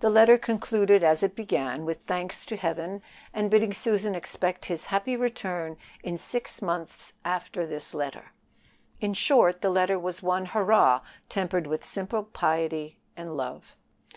The letter concluded as it began, with thanks to Heaven, and bidding Susan expect his happy return in six months after this letter. In short, the letter was one "Hurrah!" tempered with simple piety and love.